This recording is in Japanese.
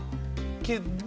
けど。